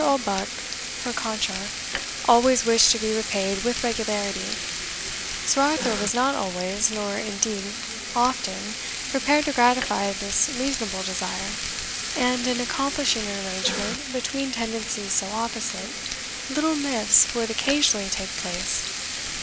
Oldbuck, per contra, always wished to be repaid with regularity; Sir Arthur was not always, nor indeed often, prepared to gratify this reasonable desire; and, in accomplishing an arrangement between tendencies so opposite, little miffs would occasionally take place.